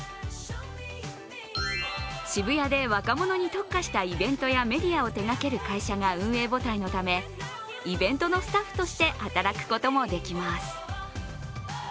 渋谷で若者に特化したイベントやメディアを手がける会社が運営母体のため、イベントのスタッフとして働くこともできます。